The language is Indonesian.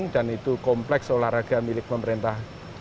dan itu kompleks olahraga milik pemerintah